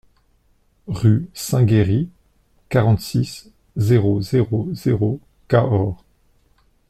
Rue Saint-Géry, quarante-six, zéro zéro zéro Cahors